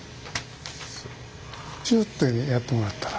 ツっとやってもらったら。